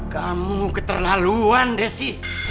kamu keterlaluan desi